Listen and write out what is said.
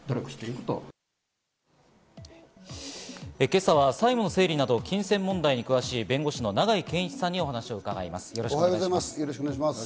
今朝は債務の整理など金銭問題に詳しい弁護士の長井健一さんにお話を伺います。